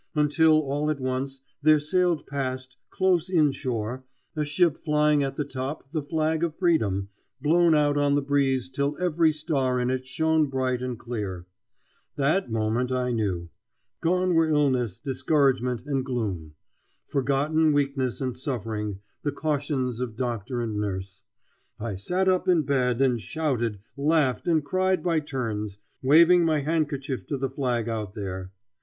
Until all at once there sailed past, close inshore, a ship flying at the top the flag of freedom, blown out on the breeze till every star in it shone bright and clear. That moment I knew. Gone were illness, discouragement, and gloom! Forgotten weakness and suffering, the cautions of doctor and nurse. I sat up in bed and shouted, laughed and cried by turns, waving my handkerchief to the flag out there.